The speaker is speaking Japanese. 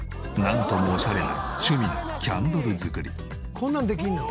こんなんできるの？